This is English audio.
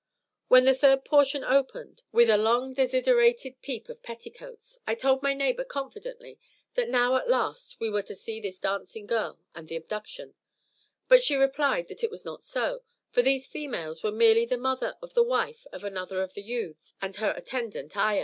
When the third portion opened with a long desiderated peep of petticoats, I told my neighbour confidently that now at last we were to see this dancing girl and the abduction; but she replied that it was not so, for these females were merely the mother of the wife of another of the youths and her attendant ayah.